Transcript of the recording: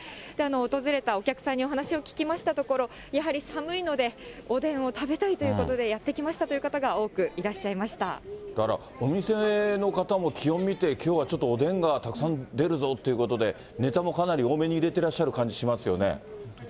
訪れたお客さんに話を聞きましたところ、やはり寒いので、おでんを食べたいということで、やって来ましたという方が多くいらっしお店の方も気温見て、きょうはちょっとおでんがたくさん出るぞということで、ネタもかなり多めに入れていらっしゃる感じしますよね。